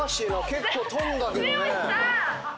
結構跳んだけどね。